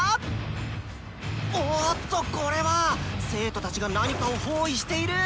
おおっとこれは⁉生徒たちが何かを包囲している！